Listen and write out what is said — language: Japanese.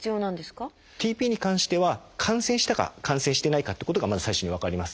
ＴＰに関しては感染したか感染してないかってことがまず最初に分かります。